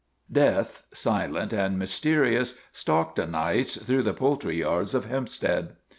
* Death, silent and mysterious, stalked o' nights through the poultry yards of Hempstead.